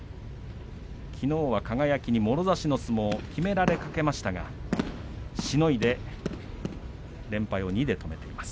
きのうは輝にもろ差しの相撲をきめられかけましたがしのいで連敗を見て止めています。